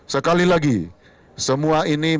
sekali lagi semua ini adalah kebenaran